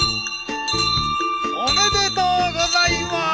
・おめでとうございまーす！